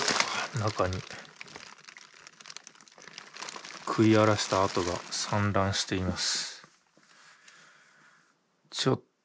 中に食い荒らした跡が散乱しています。